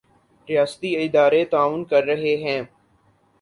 ریاستی ادارے تعاون کر رہے ہیں۔